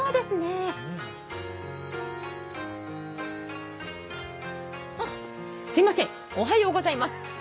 すいません、おはようございます。